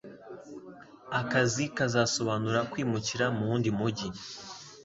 Akazi kazasobanura kwimukira mu wundi mujyi